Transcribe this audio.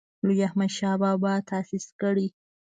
لوی احمدشاه بابا تاسیس کړی.